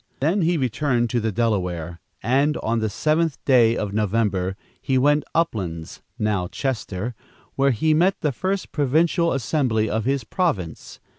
Then he returned to the Delaware, and, on the seventh day of November, he went to Uplands (now Chester), where he met the first provincial assembly of his province.